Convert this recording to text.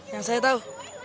yang saya tahu